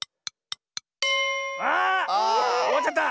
あおわっちゃった！